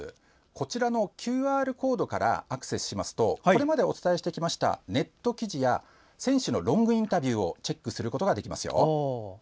こちらのＱＲコードからアクセスしますとこれまでお伝えしてきたネット記事や選手のロングインタビューをチェックすることができますよ。